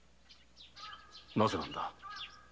なぜなんだ？